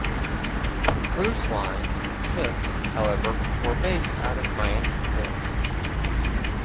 The cruise line's ships, however, were based out of Miami ports.